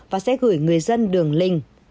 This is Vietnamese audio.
và sẽ gửi người dân đường link